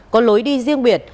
có lối đi riêng biệt